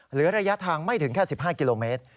ระยะทางไม่ถึงแค่๑๕กิโลเมตร